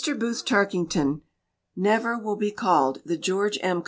BOOTH TARKINGTON never will be called the George M.